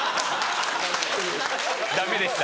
ダメでした。